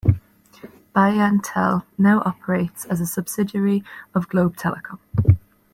BayanTel now operates as a subsidiary of Globe Telecom.